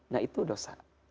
nah itu dosa